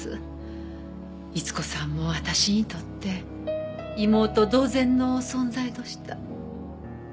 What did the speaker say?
伊津子さんも私にとって妹同然の存在どした。